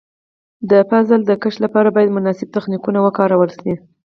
د فصل د کښت لپاره باید مناسب تخنیکونه وکارول شي.